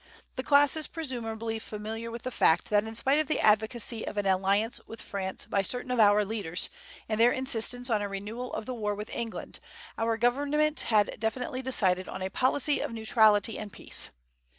The class is presumably familiar with the fact that in spite of the advocacy of an alliance with France by certain of our leaders and their insistence on a renewal of the war with England, our government had definitely decided on a policy of neutrality and peace.